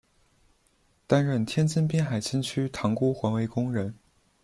担任天津滨海新区塘沽环卫工人。